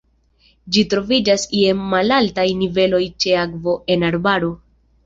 Ĝi troviĝas je malaltaj niveloj ĉe akvo en arbaroj.